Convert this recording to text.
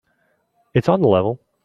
It's on the level.